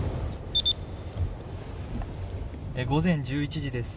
午前１１時です。